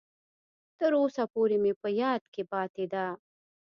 تر اوسه پورې مې په یاد کې پاتې ده.